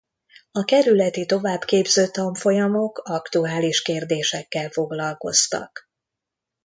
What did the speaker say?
A kerületi továbbképző tanfolyamok aktuális kérdésekkel foglalkoztak.